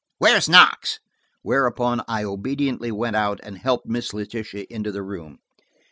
Where's Knox?" Whereupon I obediently went out and helped Miss Letitia into the room.